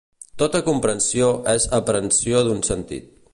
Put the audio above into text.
Tota comprensió és aprehensió d'un sentit.